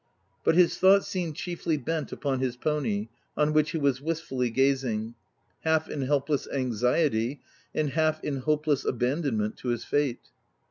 But his thoughts seemed chiefly bent upon his pony, on which he was wistfully gazing — half in helpless anxiety, and half in hopeless aban donment to his fate.